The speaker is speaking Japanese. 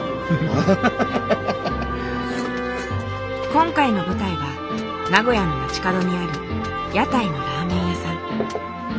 今回の舞台は名古屋の街角にある屋台のラーメン屋さん。